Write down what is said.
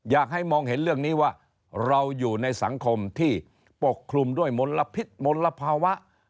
อยากให้มองเห็นเรื่องนี้ว่าเราอยู่ในสังคมที่ปกคลุมด้วยมลพิษมลภาวะ